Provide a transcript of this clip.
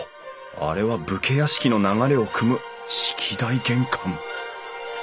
あれは武家屋敷の流れをくむ式台玄関。